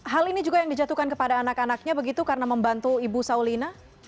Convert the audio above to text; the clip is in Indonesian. hal ini juga yang dijatuhkan kepada anak anaknya begitu karena membantu ibu saulina